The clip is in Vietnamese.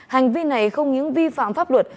hành vi này không những vi phạm pháp luật